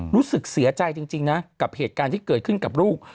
รู้สึกเสียใจจริงนะกับเหตุการณ์ที่เกิดขึ้นกับลูก